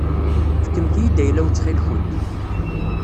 Fkemt-iyi-d ayla-w ttxil-kent.